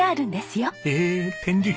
え展示品？